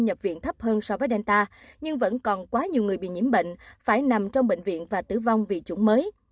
nhập viện thấp hơn so với delta nhưng vẫn còn quá nhiều người bị nhiễm bệnh phải nằm trong bệnh viện và tử vong vì chủng mới